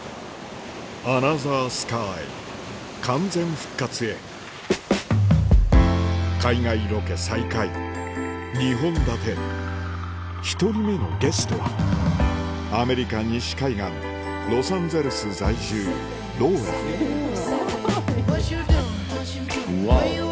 『アナザースカイ』完全復活へ海外ロケ再開２本立て１人目のゲストはアメリカ西海岸ロサンゼルス在住ローラワオ！